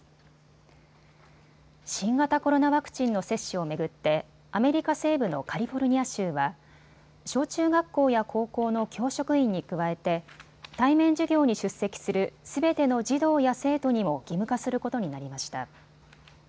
新型コロナワクチンの接種を巡ってアメリカ西部のカリフォルニア州は小中学校や高校の教職員に加えて対面授業に出席するすべての児童や生徒にも義務化することになりました。